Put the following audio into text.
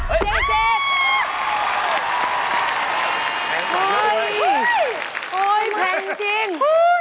โอ้โหแพงจริง